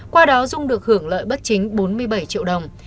qua đó dung được hưởng lợi bất chính bốn mươi bảy triệu đồng